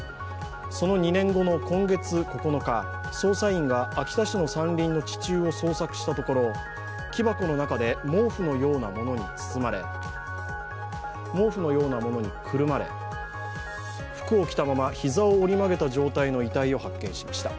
その２年後の今月９日捜査員が秋田市の山林の地中を捜索したところ木箱の中で毛布のようなものにくるまれ、服を着たまま膝を折り曲げた状態の遺体を発見しました。